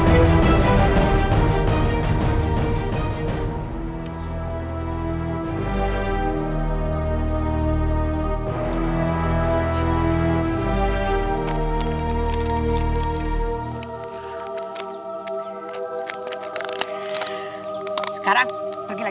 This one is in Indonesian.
enggarah shade itu arkumnya